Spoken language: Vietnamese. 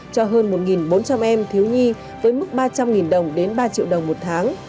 cho hơn một bốn trăm linh em thiếu nhi với mức ba trăm linh đồng đến ba triệu đồng một tháng